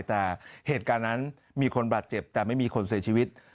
แต่เหตุการณ์นั้นมีคนบาดเจ็บแต่ไม่มีคนเสียชีวิต